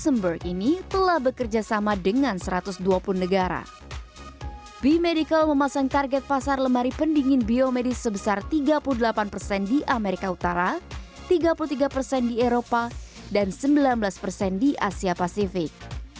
tiga empat puluh sembilan miliar dolar amerika utara tiga puluh tiga persen di eropa dan sembilan belas persen di asia pasifik